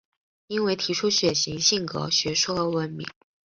因为提出血型性格学说而闻名。